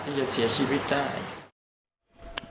ที่จะเสียชีวิตได้